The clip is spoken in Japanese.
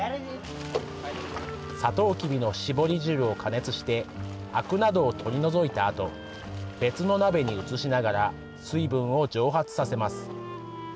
サトウキビの搾り汁を加熱してあくなどを取り除いたあと別の鍋に移しながら水分を蒸発させます。